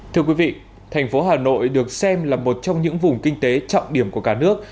thưa quý vị tp hcm được xem là một trong những vùng kinh tế trọng điểm của cả nước